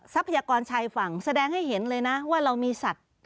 ทรัพยากรชายฝั่งแสดงให้เห็นเลยนะว่าเรามีสัตว์